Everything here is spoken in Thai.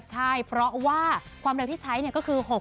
ใช่เพราะว่าความเร็วที่ใช้ก็คือ